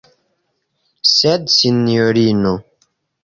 Sed, sinjorino.